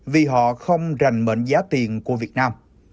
vì họ không rành mệnh giá tiền của việt nam